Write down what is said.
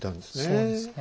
そうですね。